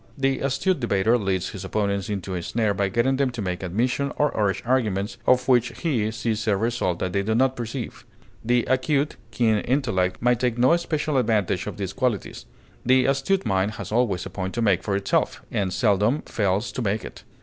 The astute debater leads his opponents into a snare by getting them to make admissions, or urge arguments, of which he sees a result that they do not perceive. The acute, keen intellect may take no special advantage of these qualities; the astute mind has always a point to make for itself, and seldom fails to make it.